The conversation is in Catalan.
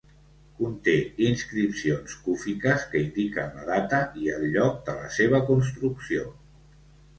Conté inscripcions cúfiques que indiquen la data i el lloc de la seva construcció.